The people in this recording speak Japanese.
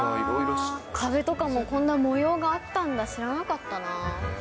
壁とかもこんな模様があったんだ、知らなかったな。